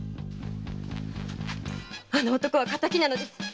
あの男は敵なのです！